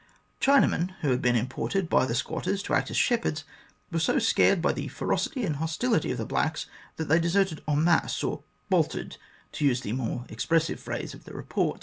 Chinamen who had been imported by the squatters to act as shepherds were so scared by the ferocity and hostility of the blacks, that they deserted en masse, or " bolted," to use the more expres sive phrase of the report.